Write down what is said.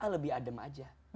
lebih adem saja